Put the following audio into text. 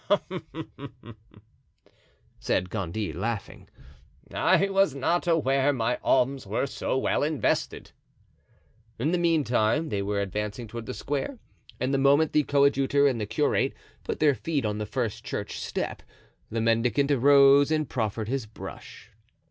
"Hum!" said Gondy, laughing; "I was not aware my alms were so well invested." In the meantime they were advancing toward the square, and the moment the coadjutor and the curate put their feet on the first church step the mendicant arose and proffered his brush.